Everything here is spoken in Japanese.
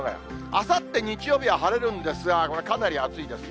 あさって日曜日は晴れるんですが、これ、かなり暑いです。